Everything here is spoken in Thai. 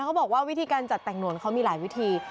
เขาบอกว่าวิธีการจัดแต่งหวนเขามีหลายวิธี